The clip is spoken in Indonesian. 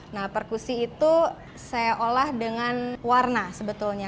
nah perkusi itu saya olah dengan warna sebetulnya